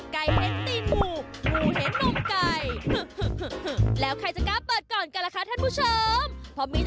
ไก่เห็นตีนหมูหมูเห็นนมไก่